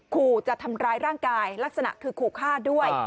ขู่จะทำร้ายร่างกายลักษณะคือขู่ฆ่าด้วย